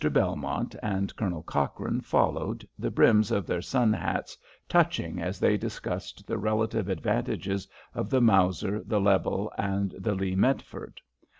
Belmont and Colonel Cochrane followed, the brims of their sun hats touching as they discussed the relative advantages of the Mauser, the Lebel, and the Lee Metford.